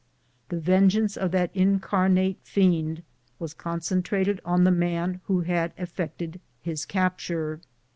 The vengeance of that incarnate fiend was concentrated on the man who had effected his capt ure.